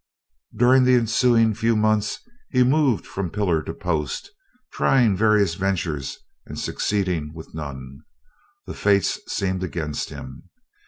During the ensuing few months he moved from pillar to post, trying various ventures and succeeding with none. The fates seemed against him.